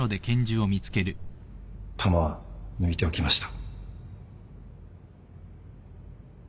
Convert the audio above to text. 弾は抜いておきました。